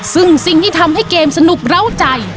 ซึ่งสิ่งที่ทำให้เกมสนุกเล้าใจ